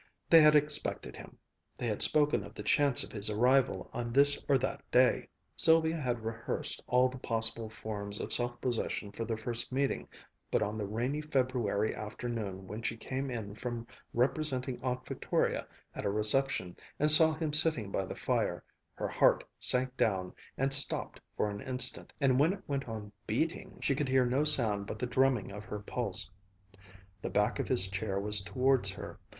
They had expected him. They had spoken of the chance of his arrival on this or that day. Sylvia had rehearsed all the possible forms of self possession for their first meeting; but on the rainy February afternoon when she came in from representing Aunt Victoria at a reception and saw him sitting by the fire, her heart sank down and stopped for an instant, and when it went on beating she could hear no sound but the drumming of her pulse. The back of his chair was towards her.